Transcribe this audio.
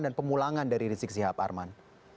dan pemulangan dari rizik sihab arman